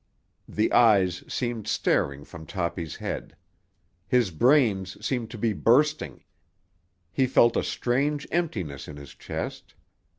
The eyes seemed starting from Toppy's head. His brains seemed to be bursting. He felt a strange emptiness in his chest.